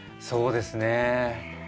そうですね。